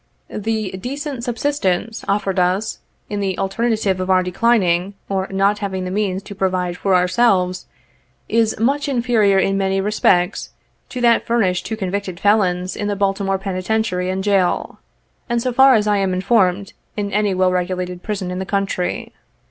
25 The '' decent subsistence " offered us, in the alternative of our declining, or not having the means to provide for ourselves, is much inferior in many respects, to that furnished to convicted felons in the Baltimore Penitentiary and Jail ; and so far as I am informed, in any well regulated prison in the country.